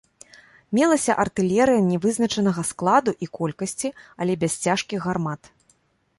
Мелася артылерыя нявызначанага складу і колькасці, але без цяжкіх гармат.